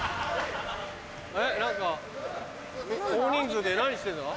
えっ何か大人数で何してるんだ？